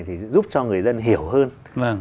thì giúp cho người dân hiểu hơn